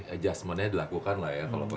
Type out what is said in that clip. adjustment nya dilakukan lah ya